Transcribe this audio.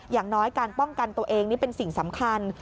อย่างน้อยการป้องกันตัวเองนี่เป็นสิ่งสำคัญ